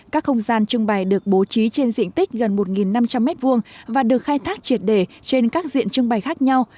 các không gian trưng bày được bố trí trên diện tích gần một năm trăm linh m hai và được khai thác triệt đề trên các diện trưng bày khác nhau